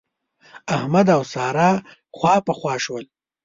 احمد او سارا خواپخوا شول.